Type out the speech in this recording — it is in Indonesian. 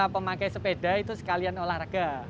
pemakai sepeda sekalian olahraga